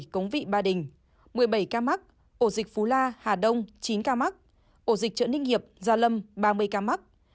cống vị ba đình một mươi bảy ca mắc ổ dịch phú la hà đông chín ca mắc ổ dịch chợ ninh hiệp gia lâm ba mươi ca mắc